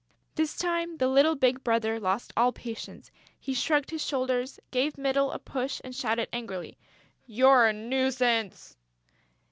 This time, the little big brother lost all patience. He shrugged his shoulders, gave Mytyl a push and shouted angrily: "You're a nuisance!..."